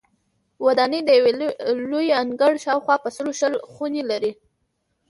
ودانۍ د یو لوی انګړ شاوخوا په سلو شل خونې لري.